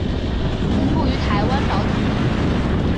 分布于台湾岛等地。